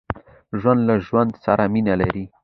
ژوندي له ژوند سره مینه لري